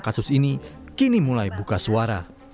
kasus ini kini mulai buka suara